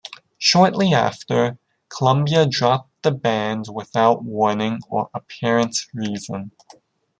Shortly after, Columbia dropped the band without warning or apparent reason.